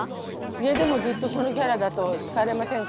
「家でもずっとそのキャラだと疲れませんか？」